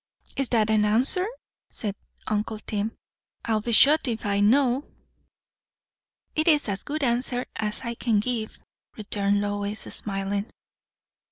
"Is that an answer?" said uncle Tim. "I'll be shot if I know." "It is as good an answer as I can give," returned Lois, smiling.